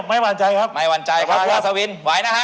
ไม่หวั่นใจครับ